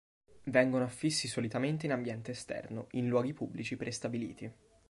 Vengono affissi solitamente in ambiente esterno, in luoghi pubblici prestabiliti.